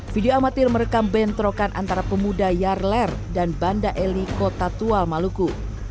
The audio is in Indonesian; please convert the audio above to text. video amatir merekam bentrokan antara pemuda yarler dan banda eli kota tual maluku